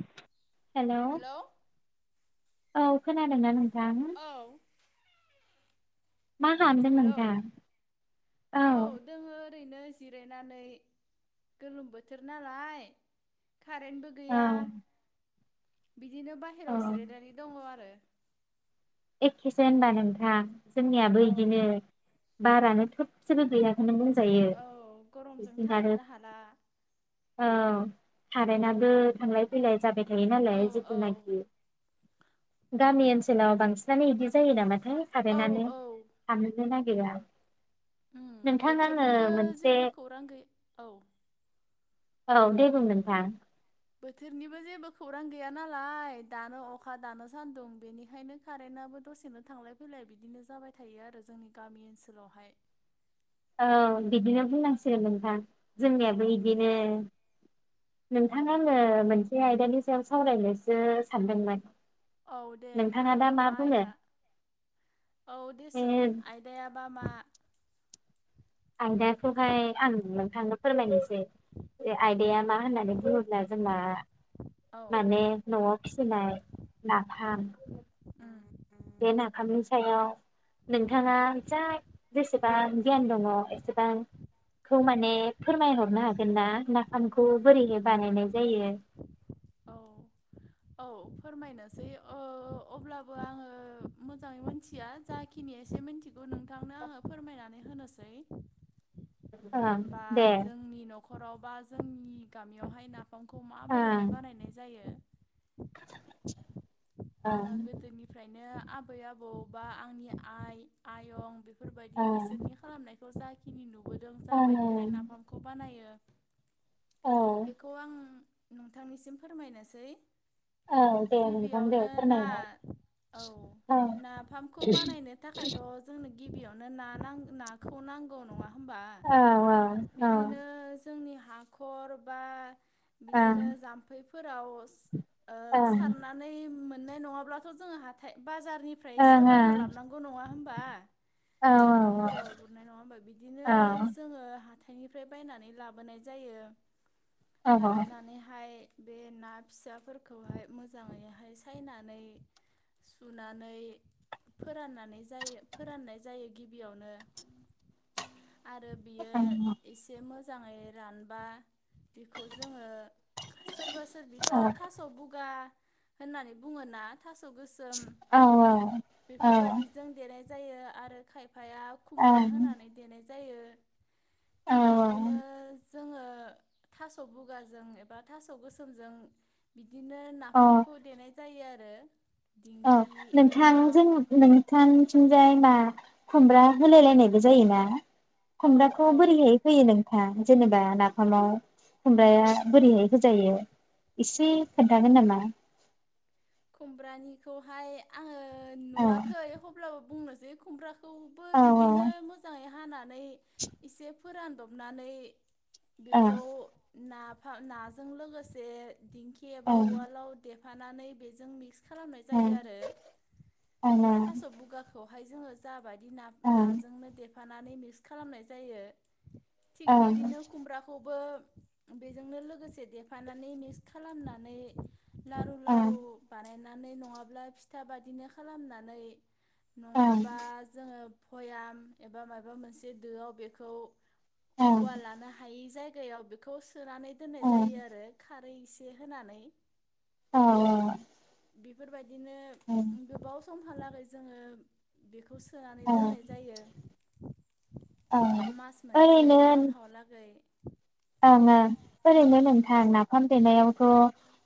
[unintelligible] Hello औ खोनादों ना नोंथां? औ मा खालामदों हेलौ नोंथां? औ रैनो जिरायनानै गोलोम बोथोर नालाय। कारेन्टबो औ गैया बिदिनो औ बाहेराव जिरायनानै दङ' आरो एखेसो होनबा नोंथां। जोंनियाबो इदिनो। औ बारानो थोबसेबो गैयाखोनो बुं जायो औ गरमजों बिदिनो आरो थानोनो हाला औ कारेनाबो थांलाय फैलाय जाबाय थायो औ नालाय औ [unintelligible] गामि ओनसोलाव बांसि नानो इदि जायो नामा थाय औ कारेनानो औ थानोनो ना गिरा। बोथोरनिबो जेबो खौरां गै औ औ दे बुं नोंथां। बोथोरनिबो जेबो खौरां गैया नालाय दानो अखा दानो सान्दुं बेनिखायनो कारेन्टआबो दसेनो थांलाय फैलाय बिदिनो जाबाय थायो आरो जोंनि गामि ओनसोलावहाय। औ बिदिनो बुंनांसिगोन नोंथां। औ जोंनियाबो बिदिनो नोंथां उम आङो मोनसे आय दानि सायाव सावरायनोसो सानदोंमोन। औ दे मा नोंथाङा दा मा बुङो आयदा औ बे देसुन आयदायाबा मा? आयदाखौहाय आं नोंथांनो फोरमायनोसै आयदाया मा होननानै बुङोब्ला जोंना औ माने न'आव फिसिनाय उम नाफाम उम बे नाफामनि सायाव नोंथाङा जा जेसेबां गियान दङ एसेबांखौ माने फोरमायहरनो हागोन ना नाफामखौ बोरैहाय बानायनाय जायो? औ औ फोरमायनोसै अब्लाबो आङो मोजाङै मिथिया जाखिनि एसे मिथिगौ नोंथांनो आङो फोरमायनानै होनोसै। ओं दे। खराव बा जोंनि गामियावहाय ना फामखौ माबोरैहाय ओं बानायनाय जायो। [inaudible] [unintelligible] फ्रायनो आबै आबौ बा आंनि आइ आयं। बेफोरबायदि ओं बिसोरनि खालामनाय खौ जाखिनि नु बोदों ओं जाबायदिहाय ओं नाफामखौ बानायो। औ बेखौ आं। नोंथांनिसिम फोरमायनोसै। औ दे नोंथां। दे गिबियावनो ना फोरमायहर औ नाफामखौ बानायनो थाखायथ' जोंनो गिबियावनो ना नांगो नाखौ नांगौ नङा होनबा औ औ बिदिनो जोंनि हाखर बा। ओं बिदिनो जाम्फै फोराव ओं सारनानै मोननाय नङाब्लाथ' जोङो हाथाय बाजारनिफ्रायसो ओं ओं बायना लाबोनांगौ नङा होमबा औ दैमाफोराव गुरनाय नङा होनबा बिदिनो औ जोङो ह हाथाइनिफ्राय बायनानै लाबोनाय जायो। औ औ ओं लाबोनानै हाय बे ना फिसाफोरखौहाय मोजाङैहाय फैनानै सुनानै फोराननानै जायो फोराननाय जायो गिबियावनो। आरो बियो एसे मोजां। मोजाङै रानबा बेखौ जोङो सोरबा सोरबिथ' थास' बुगा [unintelligible] बुङोना। थास' गोसोम बेफोरबायदि जों देरनाय जायो आरो खाय फाया खुमब्रा होनानै देनाय। जायो थिग बिदिनो जोङो थास' बुगाजों एबा थास' गोसोमजों। बिदिनो औ नाफामखौ देनाय। जायो आरो। औ दिंखि नोंथां एबा जों नोंथांथिंजाय मां खुमब्रा होलाय लायनायबो जायोना? औ खमब्राखौ औ बोरैहाय होयो नोंथां? जेनेबा नाफामाव खुमब्राया बोरैहाय होजायो एसे खोन्थागोन नामा? खुमब्रानिखौहाय आङो। औ नुवाखै एखमब्लाबो। बुंनोसै खुमब्राखौबो औ बिदिनो मोजाङै हानानै एसे फोरानदबनानै। औ बेखौ। नाफाम नाजों लोगोसे। दिंखि एबा औ उवालाव दे। थानानै बे। जों मिक्स। खालामनाय ओं जायो आरो थास' बुगाखौ। खौहाय जोङो जाबायदि। ना-नाजोंनो दे। फानानै मिक्स खालामनाय जायो। थिग बिदिनो खुमब्राखौबो। बेजोंनो लोगोसे देफानानै मिक्स खालामनानै। लारु-लारु। मेनानै नङाब्ला फिथा बादिनो खालामनानै। नङाबा जोङो। बयाम एबा माबा मोनसे दोआव बेखौ। औवा लानो हायि जाय। दैयाव बिखौ सु। सोनानै दोननाय जायो आरो खार। दै इसे होनानै। औ बेफोरबायदि। बिदिनो गोबाव सम। समहालागै जोङो बेखौ। सोनानै औ दोननाय जायो। औ। [inaudible] मास मोनसे ओरैनो गाम हालागै [inaudible] ओं ओं ओरैनो नोंथां नाफाम देनायावथ'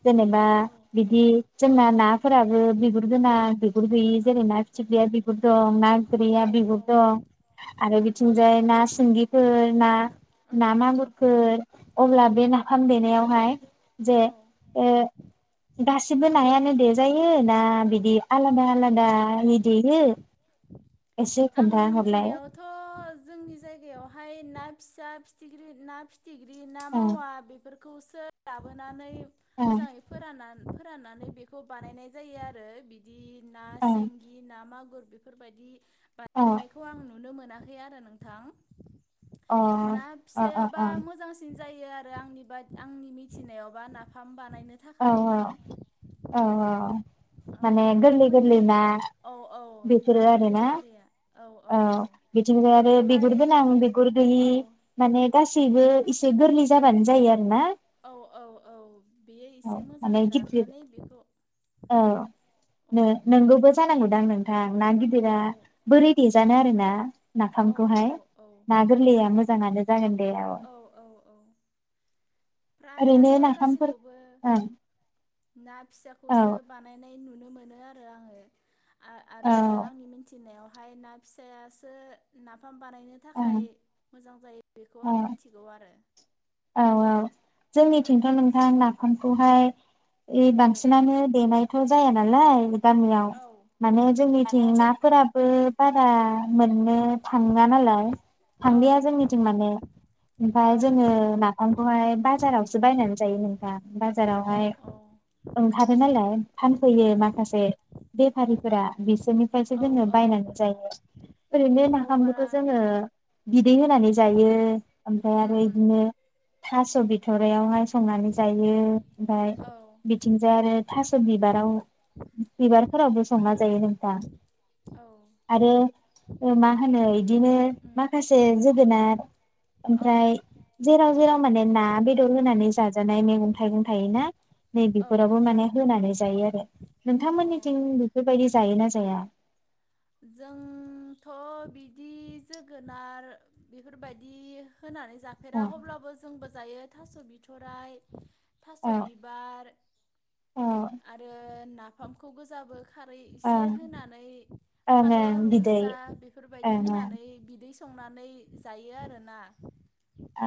जेनेबा औ बिदि जोंना नाफोराबो बिगुर गोनां बि गुर गैयि औ जेरै ना फिथि गैया बि बो दं ना फैया औ औ बिगुर दं आरो उम बिथिंजाय ना सिंगिफोर ना औ ना मागुर अब्ला बे नाफाम देनायावहाय जे औ ए गासिबो नायानो देजायो ना बिदि आलादा आलादानि देयो एसे आं खोन्था हरलाय मिथिनायावथ' जोंनि जायगायावहाय ना फिसा फिथिख्रि ना फि फिथिग्रि ना ओ मावा बेफोरखौ खौसो लाबोनानै ओ मोजाङै फोराननानै फोराननानै बेखौ बानायनाय जायो आरो बिदि ना सिंगि ना मागु बेफोरबायदि ओ बानायनायखौ आंनो नुनो मोनाखै आरो नोंथां। अ ना अ अ फिसायाबा अ मोजांसिन जायो आरो आंनि बा आंनि मिथिनायावबा नाफाम बानायनो औ थाखाय औ औ माने गोरलै गोरलै नोंथांमोननि ना औ औ ना बेफोरो गोरलै आरोना गोरलैया औ बिथिंजाय आरो बेफोरखौहाय बिगुर गोनां बिगुर गैयि औ माने गासैबो गोरलै जाबानो जायो आरो ना। औ औ औ बेयो औ एसे माने मोजाङै गिदिर राननानै बेखौ औ औ नोंगौबो जानांगौदां नों थां ना गिदिरा औ बोरै देजानो आरो ना [inaudible] औ औ नाफामखौहाय ना औ गोरलैया मोजाङानो जागोन दे औ ओरैनो फ्रायानो नाफामफोर गासैखौबो ओं ना औ फिसाखौसो बानायनाय नुनो मोनो आरो आरो आङो औ आरो आंनि मिथिनायाव फाय ना फिसायासो ना फाम बानायनो थाखाय ओं मोजां जायो बेखौ औ आं मोनथिगौ आरो औ औ जोंनिथिंथ' औ नोंथां नाफाम [unintelligible] हाय ए औ बांसिनानो देनायथ' जाया नालाय गामियाव औ माने जोंनिथिं माने जों नाफोरा बे बारा मोननो थां जानालाय औ थांलिया जोंनिथिं माने ओमफ्राय औ जोङो औ अंखौहाय बाजाराव बावसो बायनानै जायो नोंथां औ बाजारावहाय औ ओंखारो नालाय फानफैयो उम माखासे बेफारिफोरा बिसोरनिफ्रायसो औ जोङो औ बायनानै जायो औ ओरैनो औ नाामबोथ' बारा जोङो दैद होनानै जायो ओमफ्राय आरो उम बिदिनो थास बि बोाथरायावहाय संनानै जायो ओमफ्राय औ बिथिंजाय आरो थास' बिबाराव बिबारफोरावबो संना जायो नोंथां औ आरो मा होनो बिदिनो उम माखासे जोगोनार औ ओमफ्राय जेराव जेराव माने ना बेदर होनानै साजा म थाइगं थायोना नै औ बेफोरावबो माने होनानै जायो आरो औ नोंथांमोननिथिं बेफोरबायदि जायोना जाया जोंथ' बिदि जोगोनार बेफोरबायदि होनानै जाफेरा ओं अब्लाबो जोंबो जायो थास' बिथराइ थास' ओं बिबार ओं आरो ना खामखौ बो जाबो खारै एसे ओं होनानै ओं फालौ आलु ओं बिदै गोसा बेफोरबायदि ओं ओं होनानै बिदै संनानै जायो आरोना अ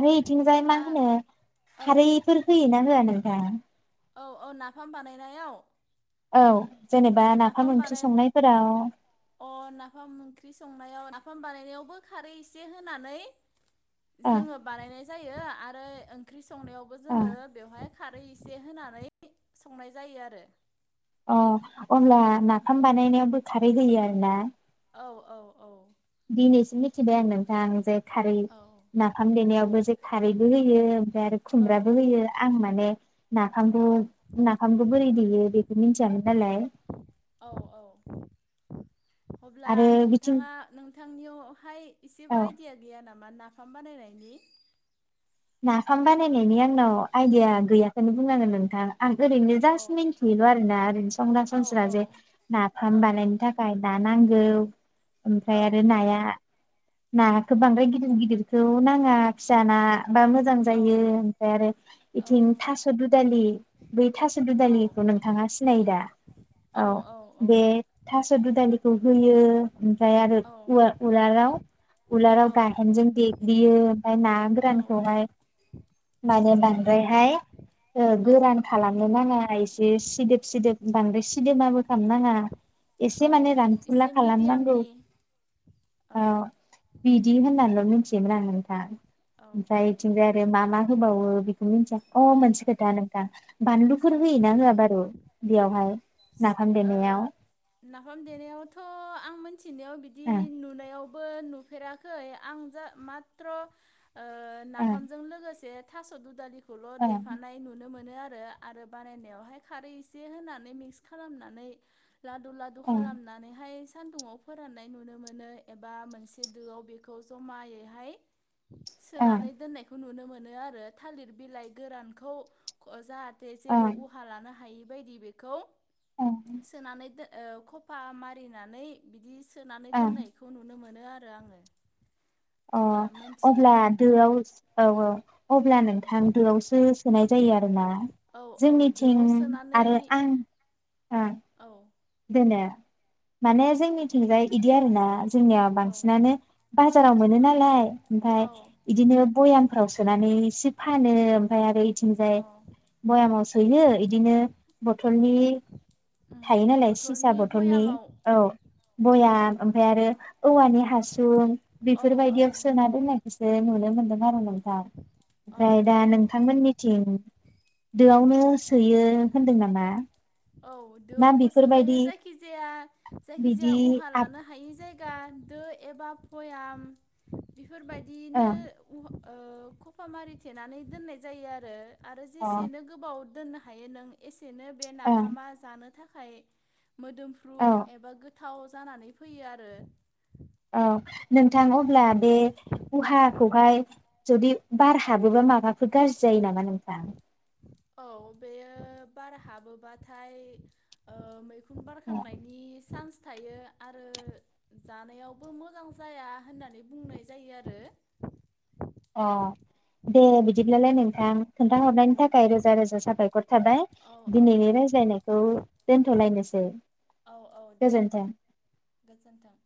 आरो इथिंजाय मा अब्ला होनो औ खारैफोर होयोना होआ नोंथां औ औ नाफाम बानायनायाव औ जेनेबा नाफाम ओंख्रि संनायफोराव अ नाफाम ओंख्रि संनायाव नाफाम बानायनायावबो खारै एसे होनानै ओ जोङो बानायनाय जायो आरो ओंख्रि संनायावबो ओ जोङो बेवहाय खारै एसे होनानै संनाय जायो आरो। अ अब्ला नाफाम बानायनायावबो खारै होयो आरो ना? औ औ औ दिनैसो मिथिबाय आं नोंथां जे खारै नाफाम देनायावबो जे खारैबो होयो ओमफ्राय आरो औ खुमब्राबो होयो आं माने नाफामखौ औ नाफामखौ बोरै देयो बेखौ मिथियामोन नालाय औ औ अब्ला आरो बिथिं नोंथाङा नों बिथांनियाव हाय एसेबो औ आइदिया गैया नामा ना [inaudible] नाफाम बानायनायनि नाफाम बानायनायनि आंनाव आइडिया गैयाखौनो बुंनांगोन नोंथाङा। आं ओरैनो औ जास्ट मिन्थियोल' आरो ना ओर [inaudible] औ संरासनस्रा औ जे औ नाफाम बानायनो थाखाय ना नांगौ। आमफ्राय आरो औ नाया ना खौ बांद्राय गिदिर गिदिरखौ नाङा फिसा ना बा मोजां औ जायो आमफ्राय आरो औ बेथिं थास' दुदालि बै थास' औ दुदालिखौ नोंथाङा सिनायो दा? औ बे थास' दुदालि खौ होयो ओमफ्राय आरो औ उवा उलाराव-उलाराव औ गाहेनजों देग्लियो ओमफ्राय ना गोरान औ खौहाय माने बिदि बांद्राय हाय ओ औ गोरान खालामनो नाङा एसे बे सिदोब-सिदोब बांद्राय सिदोबाबो खामनाङा एसे औ माने रानफुला एसे खालाम नांगौ मिडियामनि ओ औ बिदि होननानैल' मिथियोमोन आं। हा औ ओमफ्राय औ थिंजाय आरो मा-मा होबावो मोनथिया अ मोनसे खोथा नोंथां बानलु औ फोर ओ होयो ना होआ बारु बेयाव हाय नाफाम देनायाव? नाफाम देनायाव थ' आं मोन थिनायाव बिदि नुनायाव बो नुफेराखै आं जा माथ्र ओ ओं नाफामजों लोगोसे थास' दुदालि ल' ओं देफानाय नुनो मोनो मोनो आरो आरो बानायनायावहाय खारै एसे होनानै मिक्स खालामनानै लादु-लादु ओं खालामनानैहाय सान्दुङाव फोरान्नाय नुनो मोनो एबा मोनसे दोआव बेखौ जमायैहाय ओं ओं सोनानै दोननायखौ नुनो मोनो मोनो आरो थालिर बिलाइ गोरानखौ‌ जा बे ओं जेबो उहा लानो हायि बेबायदि बेखौ ओं सोनानै दोन ओ खफा मारिनानै बिदि बिदि सोनानै ओं दोननायखौ नुनो मोनो मोनो आरो आङो अ एबा अब्ला मोनथियो दोआव औ-औ अब्ला नोंथां दोआवसो सोनाय जायो आरो औ औ जोंनिथिं दोआव सोनानै आरो आं ओम औ दोनो माने जोंनिथिंजाय बिदि आरोना जोंनियाव औ बांसिनानो बाजाराव मोनो नालाय ओमफ्राय औ बिदिनो बयाम भयामफोराव सोनानै इसे फानो ओमफ्राय आरो बिथिंजाय औ भयामाव सोयो बिदिनो बथलनि उम थायोनालाय सिसा बथलनि भयामाव औ बयाम ओमफाय आरो औवानि हासुं औ औ बेफोरबायदियाव सोना दोनो आरोखि। जे नुनो मोनदों आरो नोंथां। औ ओमफ्राय दा औ नोंथांमोननिथिं दोआवनो सोयो होनदों नामा? औ ना दोआवबो सोजायो बेफोरबायदि जायखिजाया जायखिजाया बिदि उहा आब लानो हायि जायगा दो एबा भयाम बेफोरबायदियैनो ओं ओ खफामारि थेनानै दोननाय जायो आरो। आरो अ जेसेनो गोबाव दोननो हायो नों एसेनो ओं मा मा जानो थाखाय मोदोमफ्रु औ एबा गोथां गोथाव जानानै फैयो आरो। औ नोंथां अब्ला बे उहाखौहाय जुदि बार हाबोबा माबाफोर गाज्रि जायो नामा नोंथां? औ बेयो बार हाबोबाथाय ओ मैखुम बारखांनायनि सान्स थायो आरो जानायावबो मोजां जाया होननानै बुंनाय जायो आरो। अ दे बिदिब्लालाय नोंथां। औ खोन्थाहरनायनि थाखाय रोजा रोजा साबायखर थाबाय औ औ दिनैनि रायज्लायनायखौ दोनथ'लायनोसै। औ औ दे गोजोन्थों। गोजोन्थों।